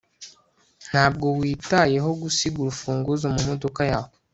ntabwo witayeho gusiga urufunguzo mumodoka yawe